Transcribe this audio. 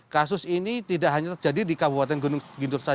kasus ini tidak hanya terjadi di kabupaten gunung